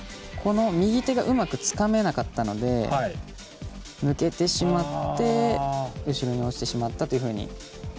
右手がうまくつかめなかったので抜けてしまって後ろに落ちてしまったと。